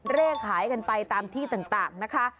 เลขขายกันไปตามที่ต่างนะคะ